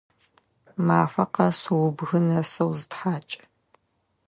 Мафэ къэс убгы нэсэу зытхьакӏ!